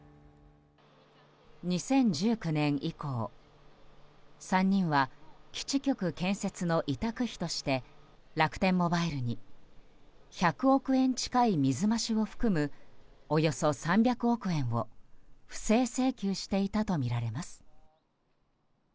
２０１９年以降３人は基地局建設の委託費として楽天モバイルに１００億円近い水増しを含むおよそ３００億円を不正請求していたとみられます。